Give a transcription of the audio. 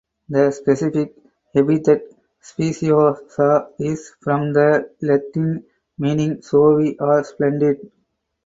The specific epithet "speciosa" is from the Latin meaning "showy" or "splendid".